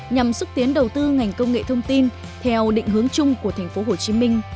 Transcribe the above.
nhằm sức tiến đầu tư ngành công nghệ thông tin theo định hướng chung của tp hcm